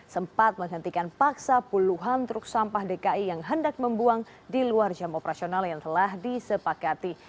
sempat menghentikan paksa puluhan truk sampah dki yang hendak membuang di luar jam operasional yang telah disepakati